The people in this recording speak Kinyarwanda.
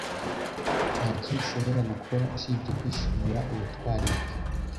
Nta kindi ushobora gukora usibye kwishimira ubutwari bwe.